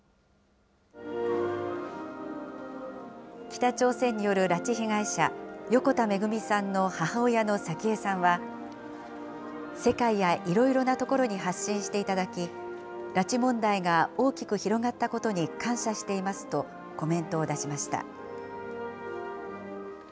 北朝鮮による拉致被害者、横田めぐみさんの母親の早紀江さんは、世界やいろいろな所に発信していただき、拉致問題が大きく広がったことに感謝していますと、コメントを出しました。